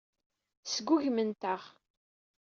Sgugment-aɣ.